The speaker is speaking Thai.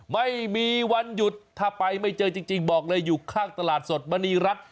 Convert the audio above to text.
ไม่มีวันหยุดถ้าไปไม่เจอจริงบอกเลยอยู่ข้างตลาดสดมณีรัฐ